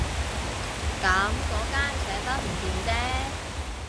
噉嗰間寫得唔掂啫